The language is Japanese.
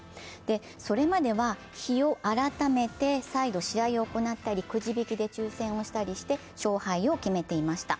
それまでは日を改めて再度試合を行ったりくじ引きで抽せんをしたりして勝敗を決めていました。